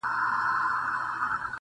طوفان یو طرف ته وړي، کله بل طرف ته